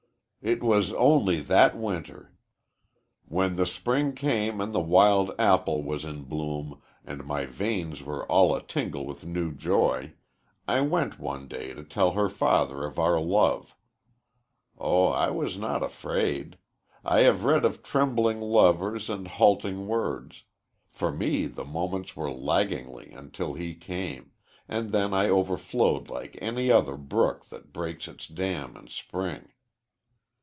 "It was only that winter. When the spring came and the wild apple was in bloom, and my veins were all a tingle with new joy, I went one day to tell her father of our love. Oh, I was not afraid. I have read of trembling lovers and halting words. For me the moments wore laggingly until he came, and then I overflowed like any other brook that breaks its dam in spring.